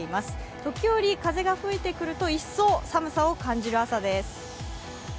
時折、風が吹いてくると一層、寒さを感じる朝です。